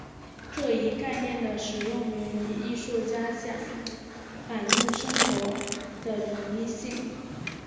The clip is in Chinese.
这一概念的使用源于艺术家想反映生活的统一性。